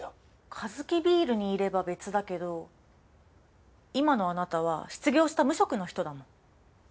カヅキビールにいれば別だけど今のあなたは失業した無職の人だもん。